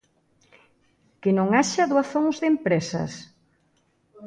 ¿Que non haxa doazóns de empresas?